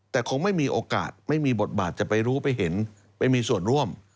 แต่คงไม่มีโอกาสไม่มีบทบาทจะไปรู้ไปเห็นไปมีส่วนร่วม